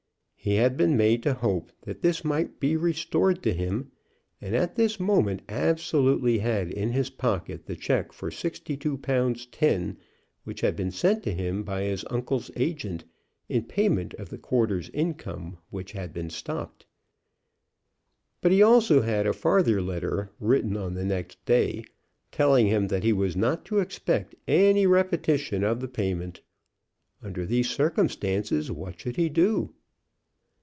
He had been made to hope that this might be restored to him, and at this moment absolutely had in his pocket the check for sixty two pounds ten which had been sent to him by his uncle's agent in payment of the quarter's income which had been stopped. But he also had a farther letter, written on the next day, telling him that he was not to expect any repetition of the payment. Under these circumstances, what should he do?